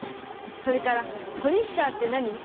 それから「ポリッシャーってなに？」。